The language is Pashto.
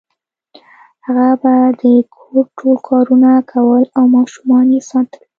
هغه به د کور ټول کارونه کول او ماشومان یې ساتل